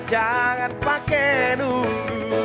jangan pake nunggu